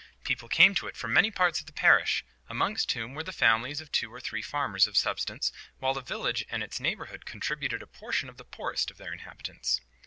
People came to it from many parts of the parish, amongst whom were the families of two or three farmers of substance, while the village and its neighbourhood contributed a portion of the poorest of the inhabitants.